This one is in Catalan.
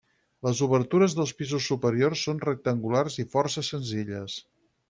Les obertures dels pisos superiors són rectangulars i força senzilles.